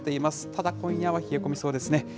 ただ今夜は冷え込みそうですね。